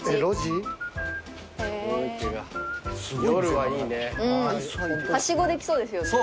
はしごできそうですよね。